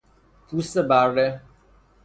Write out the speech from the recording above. پوست بره